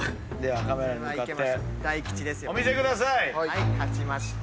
はい勝ちました。